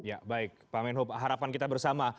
ya baik pak menhub harapan kita bersama